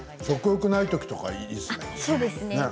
食欲ないときとかいいですね。